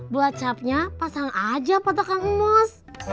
buat capnya pasang aja pak tok kang emus